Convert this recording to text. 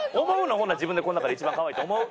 ほんなら自分でこの中で一番可愛いと思う？